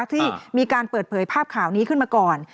ที่มีการเปิดเผยภาพข่าวนี้ขึ้นมาก่อน